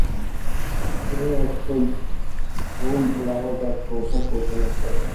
তিনি স্তোদ-'ব্রুগ নামক এক প্রথার প্রচলন করেন।